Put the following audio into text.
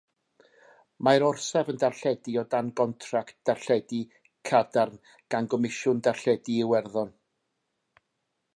Mae'r orsaf yn darlledu o dan gontract darlledu cadarn gan Gomisiwn Darlledu Iwerddon.